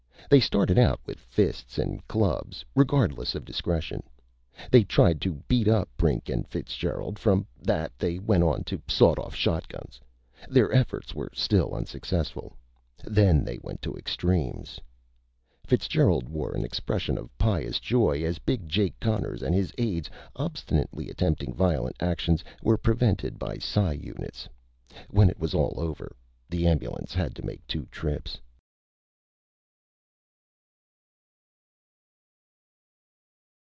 They started out with fists and clubs, regardless of discretion. They tried to beat up Brink and Fitzgerald. From that they went on to sawed off shotguns. Their efforts were still unsuccessful. Then they went to extremes. Fitzgerald wore an expression of pious joy as Big Jake Connors and his aides, obstinately attempting violent actions, were prevented by psi units. When it was all over, the ambulance had to make two trips.